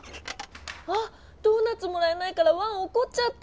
あドーナツもらえないからワンおこっちゃった！